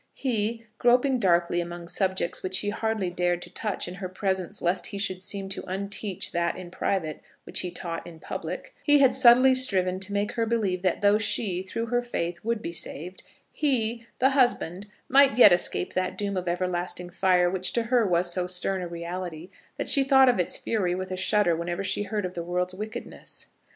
He, groping darkly among subjects which he hardly dared to touch in her presence lest he should seem to unteach that in private which he taught in public, had subtlely striven to make her believe that though she, through her faith, would be saved, he, the husband, might yet escape that doom of everlasting fire, which to her was so stern a reality that she thought of its fury with a shudder whenever she heard of the world's wickedness.